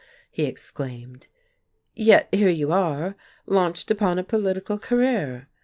he exclaimed. "Yet here you are, launched upon a political career!